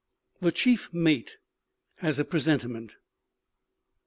THE CHIEF MATE HAS A PRESENTIMENT.